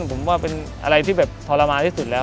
ผมว่าเป็นอะไรที่แบบทรมานที่สุดแล้ว